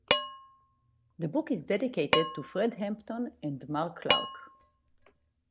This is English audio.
The book is dedicated to Fred Hampton and Mark Clark.